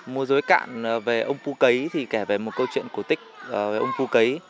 mùa dối cạn về ông phú cấy thì kể về một câu chuyện cổ tích về ông phú cấy